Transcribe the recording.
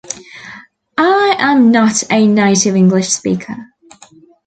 I am not a native english speaker.